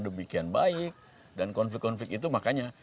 demikian baik dan konflik konflik itu makanya